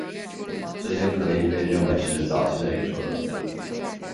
这些可以被认为是早期的宇宙论。